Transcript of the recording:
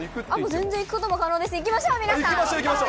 全然行くことも可能ですし。